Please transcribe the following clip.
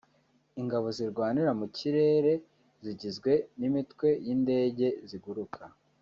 Ingabo zirwanira mu kirere zigizwe n’imitwe y’indege ziguruka